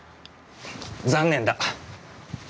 残念だ。